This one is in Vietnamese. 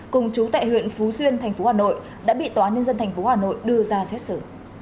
cùng chú tại huyện phú xuyên thành phố hà nội đã bị tòa nhân dân tp hà nội đưa ra xét xử